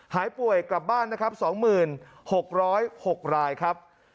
หายป่วยกลับบ้านนะครับ๒๖๐๖รายครับ